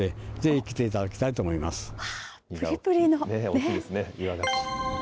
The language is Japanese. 大きいですね、岩ガキ。